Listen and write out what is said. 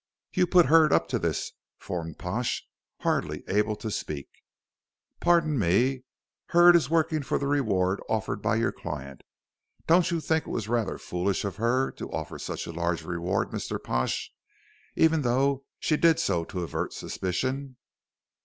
"You put Hurd up to this," foamed Pash, hardly able to speak. "Pardon me. Hurd is working for the reward offered by your client. Don't you think it was rather foolish of her to offer such a large reward, Mr. Pash, even though she did so to avert suspicion?"